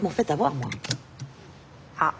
あっ。